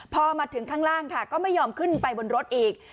พอมาถึงข้างล่างค่ะก็ไม่ยอมขึ้นไปบนรถอีก